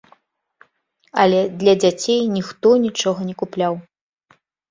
Але для дзяцей ніхто нічога не купляў.